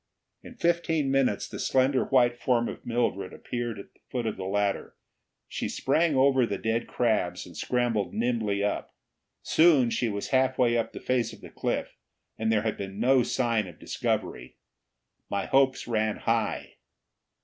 In fifteen minutes the slender white form of Mildred appeared at the foot of the ladder. She sprang over the dead crabs and scrambled nimbly up. Soon she was halfway up the face of the cliff, and there had been no sign of discovery. My hopes ran high.